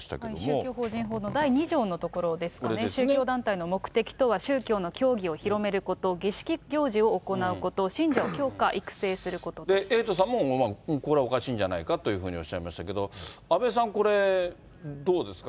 宗教法人法の第２条のところですかね、宗教団体の目的とは、宗教の教義を広めること、儀式行事を行うこと、信者を教化育成すエイトさんも、これはおかしいんじゃないかというふうにおっしゃいましたけども、阿部さん、これ、どうですか。